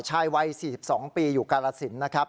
ชายวัย๔๒ปีอยู่กาลสินนะครับ